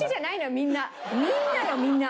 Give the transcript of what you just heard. みんなよみんな。